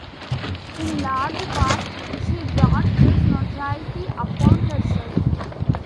In large part, she brought this notoriety upon herself.